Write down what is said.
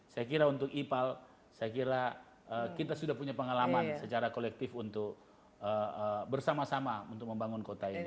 saya kira untuk ipal saya kira kita sudah punya pengalaman secara kolektif untuk bersama sama untuk membangun kota ini